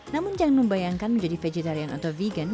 namun jangan membayangkan menjadi vegetarian atau vegan